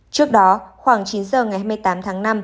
trước đó khoảng chín giờ ngày hai mươi tám tháng năm